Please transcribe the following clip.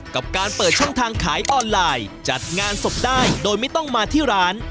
กับการเปิดช่องทางขายออนไลน์จัดงานศพได้โดยไม่ต้องมาที่ร้าน